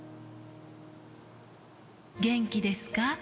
元気ですか？